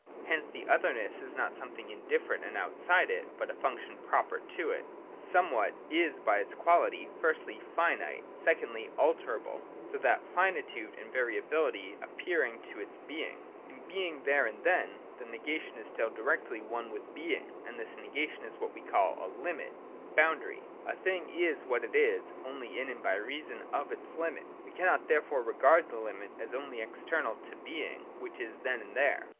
Hence the otherness is not something indifferent and outside it, but a function proper to it. Somewhat is by its quality, — firstly finite, — secondly alterable ; so that finitude and variability appertain to its being. In Being there and then, the negation is still directly one with the Being, and this negation is what we call a Limit 92.J REALITY AND LIMIT. 173 (Boundary)'; A thing is what it is, only in and by reason of its hmit. We cannot therefore regard the hmit as only ex ternal to being which is then and there.